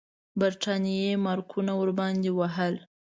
برټانیې مارکونه ورباندې وهل.